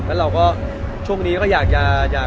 แล้วเราก็ช่วงนี้ก็อยากจะ